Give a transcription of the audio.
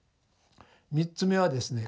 ３つ目はですね